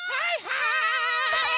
はい！